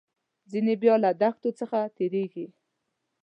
ځینې بیا له دښتو څخه تیریږي.